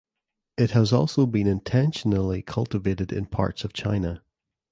It has also been intentionally cultivated in parts of China.